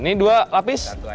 ini dua lapis